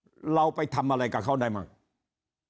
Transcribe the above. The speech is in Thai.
คราวนี้เจ้าหน้าที่ป่าไม้รับรองแนวเนี่ยจะต้องเป็นหนังสือจากอธิบดี